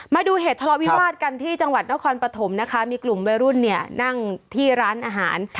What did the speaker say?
มาดูเหตุทะเลาะวิวาสกันที่จังหวัดนครปฐมนะคะมีกลุ่มวัยรุ่นเนี่ยนั่งที่ร้านอาหาร